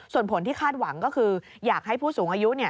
ส่วนผลที่คาดหวังก็คืออยากให้ผู้สูงอายุ